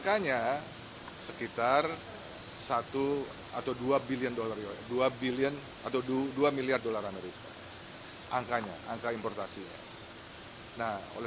saya tidak memiliki komentar tentang itu hari ini